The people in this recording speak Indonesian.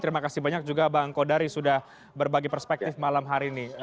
terima kasih banyak juga bang kodari sudah berbagi perspektif malam hari ini